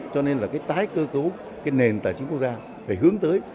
cho nên là cái tái cơ cấu cái nền tài chính quốc gia phải hướng tới